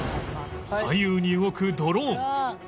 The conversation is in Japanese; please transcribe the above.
左右に動くドローン